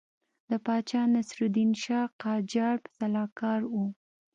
د پاچا ناصرالدین شاه قاجار سلاکار وو.